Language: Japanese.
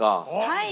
はい！